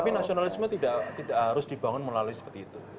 tapi nasionalisme tidak harus dibangun melalui seperti itu